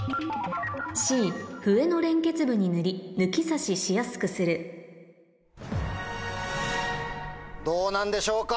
「Ｃ笛の連結部に塗り抜き差ししやすくする」どうなんでしょうか？